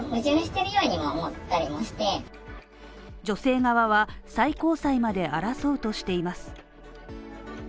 女性側は、最高裁まで争うとしています。